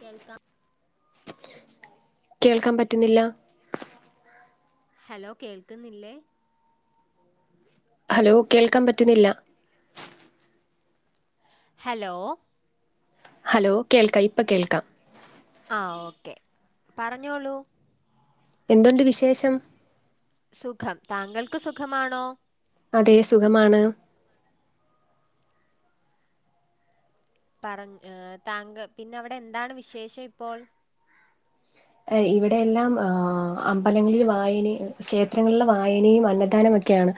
കേൾക്കാം കേൾക്കാൻ പറ്റ്ന്നില്ല ഹലോ കേൾക്ക്ന്നില്ലേ ഹലോ കേൾക്കാൻ പറ്റ്ന്നില്ല ഹലോ ഹലോ കേൾക്ക ഇപ്പ കേൾക്കാം ആഹ് ഓക്കേ പറഞ്ഞോളൂ എന്തൊണ്ട് വിശേഷം സുഖം താങ്കൾക്ക് സുഖമാണോ അതെ സുഖമാണ് പറഞ്ഞ് ഏ താങ്കൾ പിന്നെ അവിടെ എന്താണ് വിശേഷം ഇപ്പോൾ ഇവിടെയെല്ലാം ആഹ് അമ്പലങ്ങളിൽ വായനെ ക്ഷേത്രങ്ങളിൽ വായനയും അന്നദാനം ഒക്കെ ക്യാണ്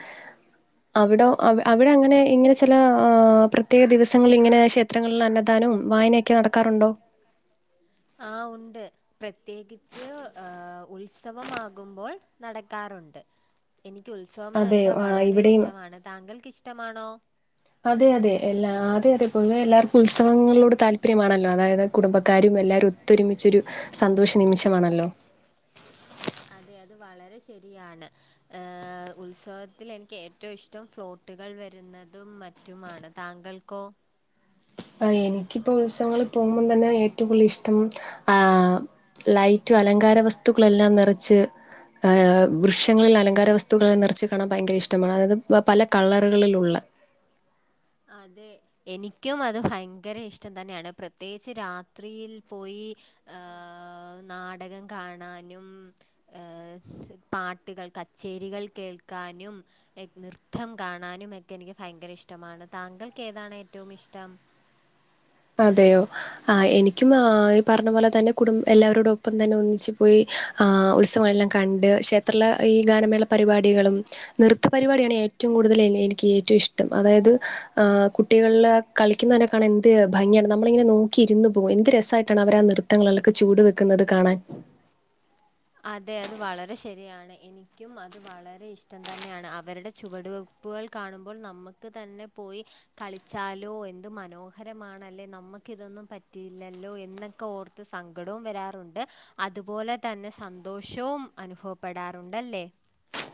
അവിടോ അവ് അവിടെ അങ്ങനെ ഇങ്ങനെ ചെല ആ ആ ആ പ്രത്യേക ദിവസങ്ങളി ഇങ്ങനെ ക്ഷേ ത്രങ്ങളിൽ അന്നദാനോം വായനയൊക്കെ നടക്കാറുണ്ടോ ആഹ് ഉണ്ട് പ്രത്യേകിച്ച് ആഹ് ഉത്സവമാകുമ്പോൾ നടക്കാറുണ്ട് എനിക്ക് ഉത്സവംന്ന് അതെ വെച്ചാ ആ, വളരെ ഇവിടെയും ഇഷ്ടമാണ് താങ്കൾക്ക് ഇഷ്ടമാണോ അതെ അതെ എല്ലാ അതെ അതെ പൊതുവെ എല്ലാവർക്കും ഉത്സവങ്ങളോട് താല്പര്യമാണല്ലോ അതായത് കുടുംബക്കാരും എല്ലാവരും ഒ ത്തൊരുമിച്ചൊരു സന്തോഷ നിമിഷമാണല്ലോ അതെ അത് വളരെ ശെരിയാണ് എഹ് ഉത്സവത്തിൽ എനിക്ക് ഏറ്റവും ഇഷ്ടം ഫ്ലോട്ടുകൾ വര്ന്നതും മ റ്റുമാണ് താങ്കൾക്കോ എനിക്കിപ്പോ ഉത്സവങ്ങൾ പോകുമ്പോം തന്നെ ഏറ്റവും കൂടുതൽ ഇഷ്ടം ആഹ് ലൈറ്റും അലങ്കാര വസ്തുക്കളെല്ലാം നിറച്ച് ആഹ് വൃക്ഷങ്ങളിൽ അലങ്കാര വസ്തുക്കളെല്ലാം നിറച്ച് കാണാൻ ഭയങ്കര ഇഷ്ടമാ അതായ പല കളറുകളിലുള്ള അതെ എനിക്കും അത് ഭയങ്കര ഇഷ്ടം തന്നെയാണ് പ്രത്യേകിച്ച് രാത്രിയിൽ പോയി ആഹ് നാടകം കാണാനും ഏ പാട്ടുകൾ കച്ചേരികൾ കേൾക്കാനും നൃത്തം കാണാനും ഒക്കെ എനിക്ക് ഭയങ്കര ഇഷ്ടമാണ് താങ്കൾക്ക് ഏതാണ് ഏറ്റവും ഇഷ്ടം അതെയോ ആഹ് എനിക്കും ആഹ് ഈ പറഞ്ഞ പോലെ തന്നെ കുടും എല്ലാവരോടും ഒപ്പം തന്നെ ഒന്നിച്ച് പോയി ആഹ് ഉത്സവങ്ങളെല്ലാം കണ്ട് ക്ഷേത്രലെ ഈ ഗാനമേള പരിപാടികളും നൃത്തപരിപാടിയാണ് ഏറ്റവും കൂടുതൽ അല്ലെ എനിക്ക് ഏറ്റവും ഇഷ്ടം അതായത് ഏഹ് കുട്ടികൾലെ കളിക്കുന്നതന്നെ കാണാൻ എന്ത് ഭംഗിയാണ് നമ്മളിങ്ങനെ നോക്കി ഇരുന്ന് പോകും എന്ത് രസായിട്ടാണ് അവരാ നൃത്തങ്ങൾലൊക്കെ ചുവട് വെക്കുന്നത് കാണാൻ അതെ അത് വളരെ ശരിയാണ് എനിക്കും അത് വളരെ ഇഷ്ടം തന്നെയാണ് അവരുടെ ചുവടു വ പ്പുകൾ കാണുമ്പോൾ നമക്ക് തന്നെ പോയി കളിച്ചാലോ എന്ത് മനോഹരമാണല്ലേ നമ ക്കിതൊന്നും പറ്റിയില്ലല്ലോ എന്നൊക്കെ ഓർത്ത് സങ്കടവും വരാറുണ്ട് അതുപോലെ തന്നെ സന്തോഷവും അനുഭവപ്പെടാറുണ്ടല്ലേ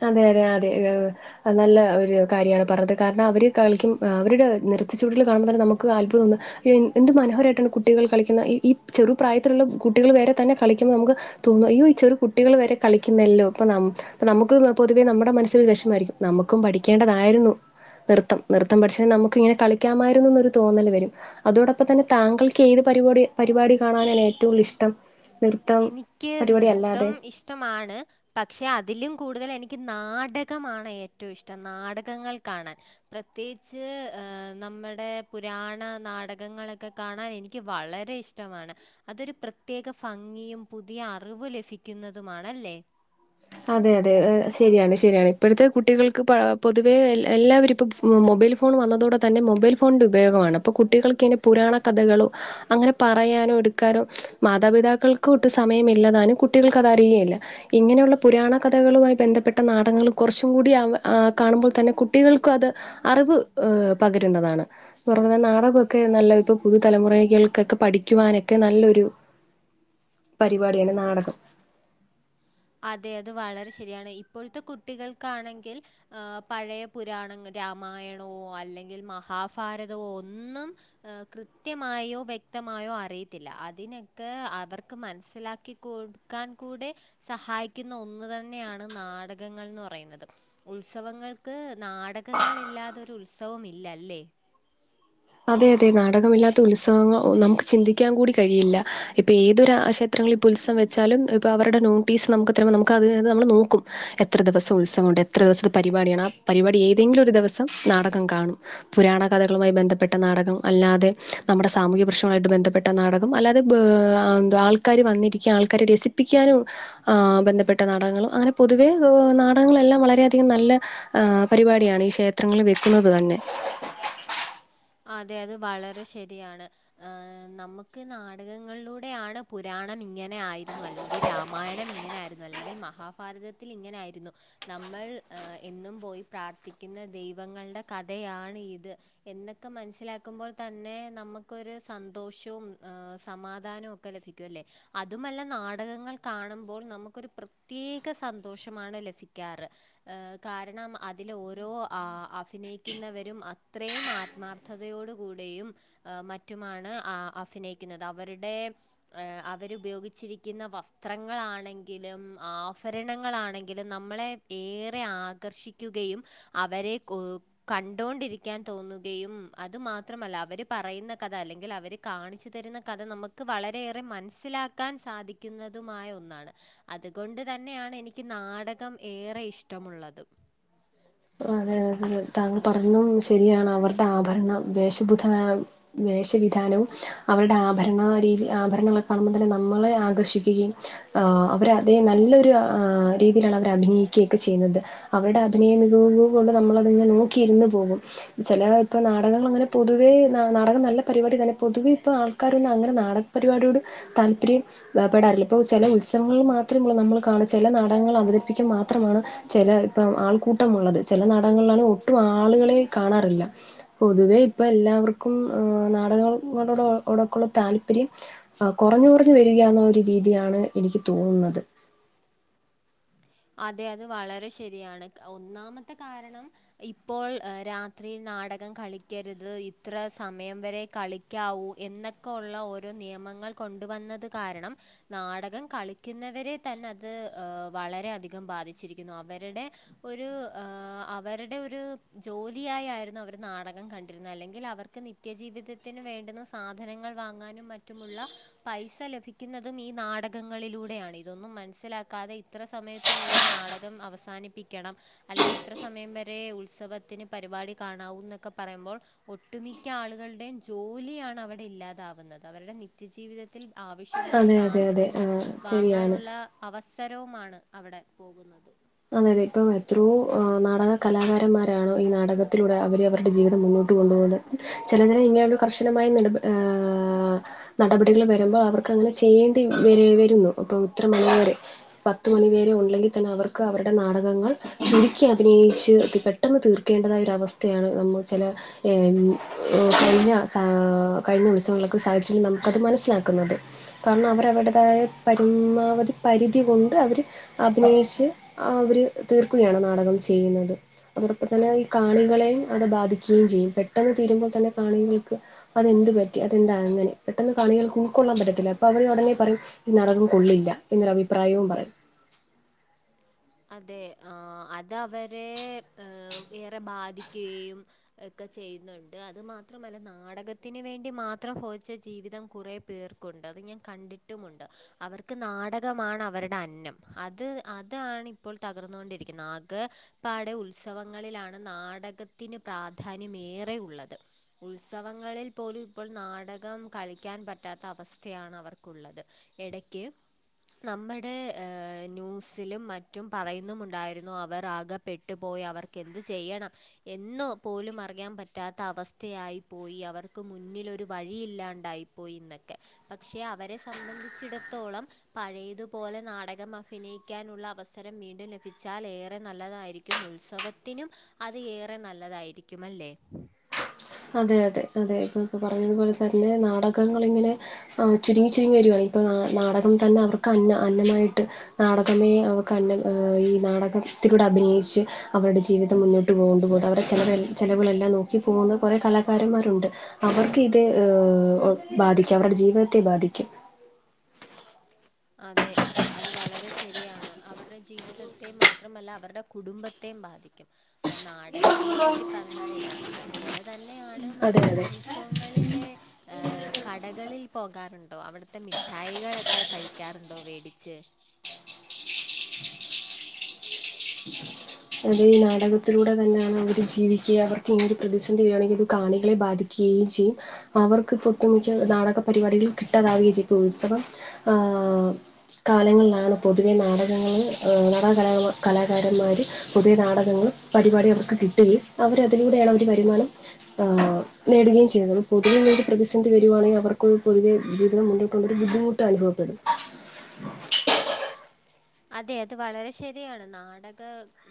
അതെ അതെ ആഹ് അതെ ഏഹ് നല്ല ഒരു കാര്യാണ് പറഞ്ഞത് കാരണം അവര് കളിക്കും അവരുടെ നൃത്ത ചുവടുകൾ കാണുമ്പം തന്നെ നമുക്ക് അത്ഭുതം തോന്ന എന്ത് മനോഹരായിട്ടാണ് കുട്ടികൾ കളിക്കുന്ന ഇ ഈ ചെറുപ്രായത്തിലുള്ള കുട്ടികൾ വരെ തന്നെ കളിക്കുമ്പം നമുക്ക് തോന്നും അയ്യോ ചെറു കുട്ടികൾ വരെ കളിക്കുന്നെല്ലോ പ്പം നം നമുക്കും പൊതുവേ നമ്മുടെ മനസ്സിൽ വിഷമായിരിക്കും നമുക്കും പഠിക്കേണ്ടതായിരുന്നു നൃത്തം. നൃത്തം പഠിച്ചാൽ നമുക്കിങ്ങനെ കളിക്കാമായിരുന്നുന്നൊരു തോന്നൽ വരും അതോടൊപ്പം തന്നെ താങ്കൾക്ക് ഏത് പരിപാടി പരിപാടി കാണാനാണ് ഏറ്റും കൂടുതൽ ഇഷ്ടം? നൃ എനിക്ക് നൃത്തം ഇഷ്ടമാണ് പക്ഷെ അതിലും കൂടുതൽ എനിക്ക് നാടകമാണ് ഏറ്റവും ഇഷ്ടം നാടകങ്ങൾക്കാണ് പ്രത്യേകിച്ച് ഏഹ് നമ്മടെ പുരാണ നാടകങ്ങളൊക്കെ കാണാൻ എനിക്ക് വളരെ ഇഷ് ടവുമാണ്. അതൊരു പ്രത്യേക ഫംഗിയും പുതിയ അറിവ് ലഭിക്കുന്നതുമാണ് അല്ലേ അതെ അതെ എഹ് ശരിയാണ് ശരിയാണ് ഇപ്പഴത്തെ കുട്ടികൾക്ക് പ പൊതുവെ എല്ലാവരും ഇപ്പം മൊബൈൽ ഫോൺ വന്നതോടെ തന്നെ മൊബൈൽ ഫോണിൻ്റെ ഉപയോഗമാണ് അപ്പം കുട്ടികൾക്കിങ്നെ പുരാണ കഥകളൊ അങ്ങനെ പറയാനോ എടുക്കാനോ മാതാപിതാക്കൾ കൊട്ടും സമയമില്ലതാനും കുട്ടികൾക്ക് അത് അറിയുകയില്ല ഇങ്ങനെയുള്ള പുരാണ കഥകളുവായി ബന്ധപ്പെട്ട നാടകങ്ങൾ കുറച്ചും കൂടി ആവുമ്പം കാണുമ്പോൾ തന്നെ കുട്ടികൾക്കും അത് അറിവ് ഏഹ് പകരുന്നതാണ് ഇപ്പ എറങ്ങുന്ന നാടക ഒക്കെ നല്ല ഇപ്പൊ പുതുതലമുറയ്കൾക്കൊക്കെ പഠിക്കുവാനൊക്കെ നല്ലൊരു പരിപാടിയാണ് നാടകം അതെ അത് വളരെ ശരിയാണ് ഇപ്പോഴത്തെ കുട്ടികൾക്കാണെങ്കിൽ ഏഹ് പഴേ പുരാണങ്ങ രാമായണോ അല്ലെങ്കിൽ മഹാ ഫാരതവോ ഒന്നും ഏഹ് കൃത്യമായോ വ്യക്തമായോ അറിയത്തില്ല. അതിനൊക്കെ അവർക്ക് മനസ്സിലാക്കി കൊട് ക്കാൻ കൂടെ സഹായിക്കുന്ന ഒന്ന് തന്നെയാണ് നാടകങ്ങൾന്ന് പറയുന്നത്. ഉത്സവങ്ങൾക്ക് നാടകങ്ങൾ ഇല്ലാതൊരു ഉത്സവം ഇല്ല അല്ലേ അതെ അതെ നാടകമില്ലാത്ത ഉത്സവങ്ങൾ നമുക്ക് ചിന്തിക്കാൻ കൂടി കഴിയില്ല ഇപ്പൊ ഏതൊരു ആഹ് ഷെ ത്രങ്ങളിൾ ഇപ്പോ ഉത്സവം വെച്ചാലും ഇപ്പോ അവരുടെ നോട്ടീസ് നമുക്ക് തരുമ്പം നമുക്കത് അത് നമ്മള് നോക്കും എത്ര ദിവസം ഉത്സവണ്ട് എ ത്ര ദിവസത്തെ പരിപാടിയാണ് ആ പരിപാടി ഏതെങ്കിലും ഒരു ദിവസം നാടകം കാണും പുരാണ കഥകളുമായി ബന്ധപ്പെ ട്ട നാടകം അല്ലാതെ നമ്മുടെ സാമൂഹ്യ പ്രശ്നങ്ങളായിട്ട് ബന്ധപ്പെട്ട നാടകം അല്ലാതെ ബേ ആ ന്താ ആൾക്കാര് വന്നിരിക്ക്യാ ആൾക്കാരെ രസിപ്പിക്കാനും ആഹ് ബന്ധപ്പെട്ട നാടകങ്ങളും അങ്ങനെ പൊതുവെ നാടകങ്ങളെല്ലാം വളരെയധികം നല്ല ആഹ് പരിപാടിയാണ് ഈ ക്ഷേത്രങ്ങളി വെക്കുന്നത് തന്നെ അതെ അത് വളരെ ശരിയാണ് ഏഹ് നമുക്ക് നാടകങ്ങളിലൂടെയാണ് പുരാണം ഇങ്ങനെ ആയിരുന്നു അല്ലെങ്കി രാമായണം ഇങ്ങനെ ആയി രുന്നു അല്ലെങ്കിൽ മഹാഭാരതത്തിൽ ഇങ്ങനെ ആയിരുന്നു നമ്മൾ ഏഹ് എന്നും പോയി പ്രാർത്ഥിക്കുന്ന ദൈവങ്ങളുടെ കഥയാണ് ഇത് എന്ന് ക്കെ മനസ്സിലാക്കുമ്പോൾ തന്നെ നമുക്കൊരു സന്തോഷവും സമാധാനവും ഒക്കെ ലഭിക്കും അല്ലേ അതുമല്ല നാടകങ്ങൾ കാണുമ്പോൾ നമുക്കൊരു പ്രത്യേക സന്തോഷമാണ് ലഭിക്കാറ് കാരണം അതിൽ ഓരോ ആ അഫിനയിക്കുന്നവരും അത്രയും മാർ ത്മാർഥതയോട് കൂടിയും ഏഹ് മറ്റുമാണ് ആ അഫിനയിക്കുന്നത് അവരുടെ അവരുപയോഗിച്ചിരിക്കുന്ന വസ്ത്രങ്ങളാണെങ്കിലും ആഫരണങ്ങളാണെങ്കിലും നമ്മളെ ഏറെ ആഘർഷിക്കുകയും അവരെ കൊ കണ്ടോണ്ടിരിക്കാൻ തോന്നു കയും അതു മാത്രമല്ല അവര് പറയുന്ന കഥ അല്ലെങ്കിൽ അവര് കാണിച്ച് തരുന്ന കഥ നമ്മ ക്ക്‌ വളരെയേറെ മനസിലാക്കാൻ സാധിക്കുന്നതുമായ ഒന്നാണ് അതുകൊണ്ട് തന്നെയാണ് എനി ക്ക് നാടകം ഏറെ ഇഷ്ടമുള്ളത് അതെ അതെ താങ്കള് പറഞ്ഞതും ശെരിയാണ് അവരുടെ ആഭരണം വേഷബുധാനം വേഷ വിധാനവും അവര്ടെ ആഭരണ രീതി ആഭരണങ്ങളെ കാണുമ്പോ തന്നെ നമ്മളെ ആകർഷിക്കുകയും ആ അവര അതേ നല്ലൊരു രീതിയിലാണ് അവർ അഭിനയിക്ക്യോക്കെ ചെയ്യുന്നത് അവര്ടെ അഭിനയം [unintelligible] കൊണ്ട് നമ്മളതിങ്ങനെ നോക്കിയിരുന്ന് പോവും ചെലേ ഇപ്പൊ നാടകങ്ങളങ്ങനെ പൊതുവേ നാടകം നല്ല പരിപാടി തന്നെ പൊതുവെ ഇപ്പൊ ആൾക്കാരൊന്നങ്ങനെ നാട പരിപാടിയോട് താല്പര്യം അ പെടാറില്ല പ്പോ ചെല ഉത്സവങ്ങളിൽ മാത്രമുള്ളു നമ്മൾ കാണ ചെല നാടകങ്ങൾ അവതരിപ്പിക്കാൻ മാത്രമാണ് ചെലേ ഇപ്പം ആൾക്കൂട്ടമുള്ളത് ചെലേ നാടകങ്ങളിലാണ് ഒട്ടും ആളുകളെ കാണാറില്ല പൊതുവെ ഇപ്പൊ എല്ലാവർക്കും നാടകങ്ങളോട്കൂടെയുള്ള താല്പര്യം അ കൊർഞ് കൊർഞ്ഞ് വരിക ന്ന ഒരു രീതിയാണ് എനിക്ക് തോന്നുന്നത് അതെ അത് വളരെ ശെരിയാണ് ഒന്നാമത്തെ കാരണം ഇപ്പോൾ രാത്രിയിൽ നാടകം കളിക്കരുത് ഇത്ര സമയം വരെ കളി ക്കാവൂ എന്നൊക്കെ ഒള്ള ഓരോ നിയമങ്ങൾ കൊണ്ടുവന്നത് കാരണം നാടകം കളിക്കുന്നവരെ തന്നെ അത് വളരെയധികം ബാധിച്ചിരിക്കുന്നു അവര്ടെ ഒരു അവര്ടെ ഒരു ജോലിയായായിരുന്നു അവര് നാടകം കണ്ടിരുന്നത് അല്ലെങ്കിൽ അവര്ക്ക് നി ത്യജീവിതത്തിന് വേണ്ടുന്ന സാധനങ്ങൾ വാങ്ങാനും മറ്റുമുള്ള പൈസ ലഭിക്കുന്നതും ഈ നാടകങ്ങളിലൂടെയാണ് ഇതൊന്നും മനസ്സിലാക്കാതെ ഇത്ര സമയ ത്തിനുള്ളിൽ നാടകം അവസാനിപ്പിക്കണം അല്ലെങ്കി ഇത്ര സമയം വരെ ഉത്സവ ത്തിന് പരിപാടി കാണാവൂന്നൊക്കെ പറയുമ്പോൾ ഒട്ടുമിക്ക ആളുകളുടെയും ജോലിയാണവടെ ഇല്ലാതാവുന്നത് അവരുടെ നി ത്യജീവിതത്തിൽ ആവശ്യമുള്ള അതെ അതെ അതെ സാധനങ്ങൾ ആ ശരിയാണ് വാങ്ങാനുള്ള അവസരവുമാണ് അവടെ പോകുന്നത് അതെ അതെ ഇപ്പം എത്രോ നാടക കലാകാരന്മാരാണോ ഈ നാടകത്തിലൂടെ അവര് അവരുടെ ജീവിതം മുന്നോട്ട് കൊണ്ടു പോകുന്നത് ചെലതിനു ഇങ്ങനെയൊരു കർശനമായ നിലപാ ഏ നടപടികൾ വരുമ്പോൾ അവർക്കങ്ങനെ ചെയ്യേണ്ടി വരെ വെരുന്നു അപ്പൊ ഇത്ര മണിവരെ പത്ത് മണിവരെ ഉള്ളെങ്കിത്തെന്നെ അവർക്ക് അവരുടെ നാടകങ്ങൾ ചുരുക്കി അഭിനയിച്ച് അത് പെട്ടെന്ന് തീർക്കേണ്ടതായ ഒരവസ്ഥയാണ് നമ്മ ചെല കഴിഞ്ഞ സ കഴിഞ്ഞ ഉത്സവങ്ങളൊക്കെ സാധിച്ചിട്ടുണ്ട് നമുക്കത് മനസ്സിലാക്കുന്നത് കാരണം അവരവരുടേതായ പരമാവധി പരിധി കൊണ്ട് അവര് അഭിനയിച്ച് അവര് തീർക്കുകയാണ് നാടകം ചെയ്യുന്നത് അതോടൊപ്പം തന്നെ ഈ കാണികളെയും അത് ബാധിക്കുകയും ചെയ്യും പെട്ടെന്ന് തീരുമ്പോത്തന്നെ കാണികൾക്ക് അതെന്ത് പറ്റി അതെന്താണങ്ങനെ പെട്ടെന്ന് കാണികൾക്കുക്കൊള്ളാൻ പറ്റത്തില്ല അപ്പൊ അവര് ഒടനെ പറയും ഈ നാടകും കൊള്ളില്ല എന്നൊരഭിപ്രായവും പറയും അതെ ആ അതവരെ ഏറെ ബാധിക്കുകയും ഒക്കെ ചെയ്യുന്നുണ്ട് അതു മാത്രമല്ല നാടകത്തിന് വേണ്ടി മാത്രം പോതിച്ച ജീവിതം കുറെ പേർ ക്കുണ്ട് അത് ഞാൻ കണ്ടിട്ടുമുണ്ട് അവർക്ക് നാടകമാണ് അവര്ടെ അന്നം അത് അതാണി പ്പോൾ തകർന്നോണ്ടിരിക്കുന്നത് ആകെപ്പാടെ ഉത്സവങ്ങളിലാണ് നാടകത്തിന് പ്രാധാന്യം ഏറെ ഉള്ളത് ഉത്സവങ്ങളിൽ പോലും ഇപ്പോൾ നാടകം കളിക്കാൻ പറ്റാത്ത അവസ്ഥയാണവർക്കുള്ളത് എടയ്ക്ക് നമ്മുടെ ന്യൂസിലും മറ്റ് റ്റും പറയുന്നുമുണ്ടായിരുന്നു അവർ ആകെ പെട്ടുപോയി അവർക്കെന്ത് ചെയ്യണം എന്ന് പോലും അറിയാൻ പറ്റ റ്റാത്ത അവസ്ഥയായിപ്പോയി അവർക്ക് മുന്നിലൊരു വഴിയില്ലാണ്ടായിപ്പോയിന്നൊക്കെ പക്ഷെ അവരെ സംബന്ധിച്ചിടത്തോളം പഴയത്പോലെ നാടകം അഫിനയിക്കാനുള്ള അ വസരം വീണ്ടും ലഫിച്ചാൽ ഏറെ നല്ലതായിരിക്കും. ഉത്സവത്തിനും അത് ഏറെ നല്ലതായിരി... ക്കുമല്ലേ അതെ അതെ അതെ ഇപ്പൊ പ്പൊ പറയുന്നത്പോലെ തന്നെ നാടകങ്ങളിങ്ങനെ ആഹ് ചുരുങ്ങി ചുരുങ്ങി വരുകയാ ഇപ്പോ നാട് നാടകം തന്നെ അവർക്ക് അന്നാ. അന്നമായിട്ട് നാടകമേ അവക്ക് അന്ന. ഏഹ് ഈ നാടകത്തിലൂടെ അഭിനയിച്ച് അവര്ടെ ജീവിതം മുന്നോട്ട് പോവ് മ്പം അവരെ ചെലവേറി ചിലവുകളെല്ലാം നോക്കി പോക്ന്നെ കുറെ കലാകാരന്മാരുണ്ട്. അവർക്ക് ഇത് അ് ബാധിക്കും അവരുടെ ജീവിതത്തെ ബാധിക്കും. അതെ അത് വളരെ ശെരിയാണ് അവരുടെ ജീവിതത്തെ മാത്രമല്ല അവരുടെ കുടുംബത്തെ ബാധിക്കും അ നാടകത്തിനെ പറ്റി പറഞ്ഞാ ഇതാണ് അതുപോലെ തന്നെയാണ് അതെ മറ്റ് അതെ ഉത്സവം ങ്ങളിലെ ഏ കടകളിൽ പോകാറുണ്ടോ? അവിട്ത്തെ മിഠായികളൊക്കെ കഴി ക്യാറുണ്ടോ വേടിച്ച്? അത് ഈ നാടകത്തിലൂടെ തന്നെയാണ് അവർക്ക് ജീവിക്കുക. അവർക്ക് ഇങ്ങനെ ഒരു പ്രതിസന്ധി വരാണെങ്കി അത് കാണികളെ ബാധി കെ ജിം അവർക്ക് ഒട്ടുമിക്ക നാടക പരിപാടികൾ കിട്ടാതാവുകയും [unintelligible] അപ്പൊ ആഹ് കാലങ്ങൾലാണ് പൊതുവെ നാടകങ്ങൾ ഏ നാടകലാകമ കലാകാരന്മാര് പുതിയ നാടകങ്ങളും പരിപാടികളും ഒക്കെ കിട്ടുഴി അവര അതിലൂടേണ് അവര് വരുമാനം ആഹ് നേടുകയും ചെയ്യു [unintelligible] പുതിയ [unintelligible] പ്രതിസന്ധി വരുവാണെങ്കി അവർക്കൊരു പൊതുവെ ജീവിതം മുന്നോട്ടുണ്ടൊരു ബുദ്ധിമു ട്ട അനുഭവപ്പെടും അതെ അത് വളരെ ശരിയാണ്. നാടക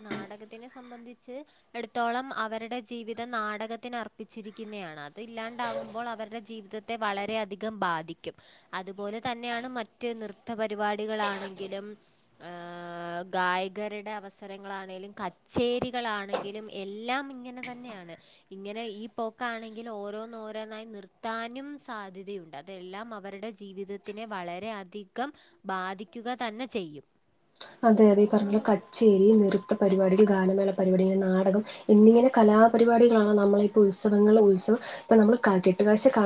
നാടകത്തിനെ. സംമ്പന്ധിച്ച് എടുത്തോളം അവര്ടെ ജീവിതം നാടകത്തിന് അർപ്പിച്ചിരിക്കുന്നേയാണ്. അത് ഇല്ലാണ്ടാവുമ്പോൾ അവരുടെ ജീവിത ത്തെ വളരെയധികം ബാധിക്കും. അത്പോലെ തന്നെയാണ് മറ്റ് നൃത്ത പരിപാടികളാണെങ്കിലും ആഹ് ആഹ്. ഗായകരുടെ അവസരങ്ങളാണേലും, കച്ചേരികളാണെങ്കിലും എല്ലാം ഇങ്ങനെ തന്നെയാണ്. ഇങ്ങനെ ഈ പോക്കാണെങ്കില് ഓരോന്നോരോന്നായി നിർത്താനും സാധ്യതയുണ്ട്. തെല്ലാം അവര്ടെ ജീവിതത്തിനെ വളരെ അധികം ബാധിക്കുക തന്നെ ചെയ്യും. അതെ, അതെ ഈ പർഞ്ഞ കച്ചേരി, നൃത്ത പരിപാടികൾ, ഗാനമേള പരിപാടി, നാടകം എന്നിങ്ങനെ കലാപരിപാടികളാണ് നമ്മളെ ഇപ്പോ ഉത്സവങ്ങൾ ഉത്സവ പ്പ നമ്മൾ ക്ക കെട്ടുകാഴ്ച കാ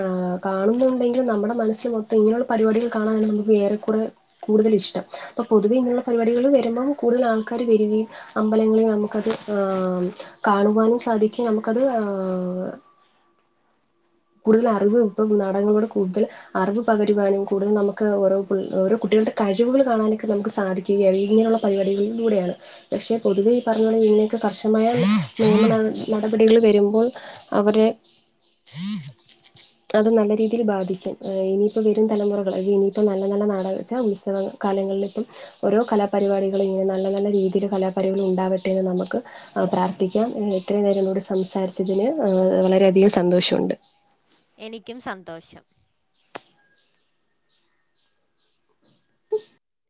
കാണുന്നുണ്ടെങ്കിലും നമ്മടെ മനസ്സിൽ മൊത്തം ഇങ്ങനെള്ള പരിപാടികൾ കാണാനാണ് നമുക്ക് ഏറെക്കുറെ കൂടുതൽ ഇഷ്ടം. അപ്പ പൊതുവെ ഇങ്ങനു പരിപാടികളിൽ വെര്മ്പം കൂടുതല് ആൾക്കാര് വെര്കയും അമ്പലങ്ങളിൽ നമുക്കത് ആഹ് മ് കാണുവാനും സാധിക്കും നമ്മക്കത് ആഹ് കൂടുതലറിവ് ഇപ്പൊ നാടകങ്ങളോട് കൂട്തൽ അറിവ് പകരുവാനും കൂടുതൽ നമുക്ക് ഓരോ പ് ഓരോ കുട്ടികൾടെ കഴിവ്കൾ കാണാനൊക്കെ നമുക്ക് സാധിക്കും. ഏഹ് [unintelligible] ഇങ്ങനുള്ള പരിപാടളിലൂടെയാണ് പക്ഷെ പൊതുവെ ഈ പർഞ്ഞ പോലെ ഇന്നേക്ക് കർശമായ നിയമ നട് നടപടികൾ വരുമ്പോൾ അവരെ അത് നല്ല രീതിയിൽ ബാധിക്കും. ഏ ഇനിയിപ്പ വരും തലമുറകൾ അല്ലെങ്കി ഇനിയിപ്പം നല്ല നല്ല നാടക ച്ചാ ഉത്സവങ്ങൾ കാലങ്ങളിൽ ഇപ്പം ഓരോ കലാപരിപാടികളും ഇങ്ങനെ നല്ല നല്ല രീതിയില് കലാപരിൾ ഉണ്ടാവട്ടെന്ന് നമക്ക് അ പ്രാർത്ഥിക്കാം. ഇത്രയും നേരം എന്നോട് സംസാരിച്ചതിന് ഏ വളര അധികം സന്തോഷോണ്ട്. എനിക്കും സന്തോഷം